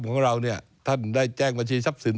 ซึ่งได้แจ้งบัญชีทรัพย์สิน